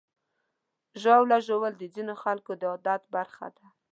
ژاوله ژوول د ځینو خلکو د عادت برخه ده.